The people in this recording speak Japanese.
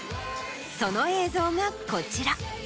その映像がこちら。